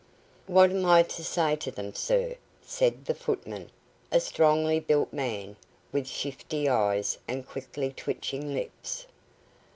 "What am I to say to them, sir?" said the footman, a strongly built man, with shifty eyes and quickly twitching lips.